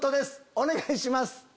お願いします。